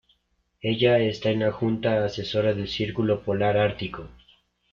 Ella está en la junta asesora del Círculo Polar Ártico.